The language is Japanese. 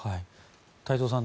太蔵さん